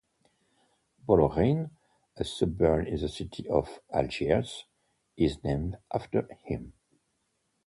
Bologhine, a suburb in the city of Algiers, is named after him.